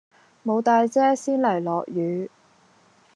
無帶遮先嚟落雨